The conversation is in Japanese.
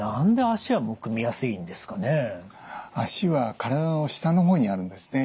脚は体の下の方にあるんですね。